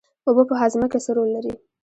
اوبه په هاضمه کې څه رول لري